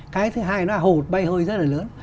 cái thứ hai là hột bay hơi rất là lớn